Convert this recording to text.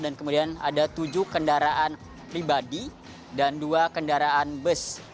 dan kemudian ada tujuh kendaraan pribadi dan dua kendaraan bus